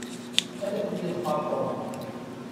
Ad ken-yeḍfer Tom.